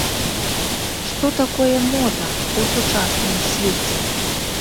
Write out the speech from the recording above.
Што такое мода ў сучасным свеце?